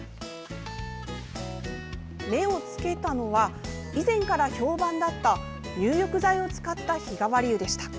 目をつけたのは以前から評判だった入浴剤を使った日替わり湯でした。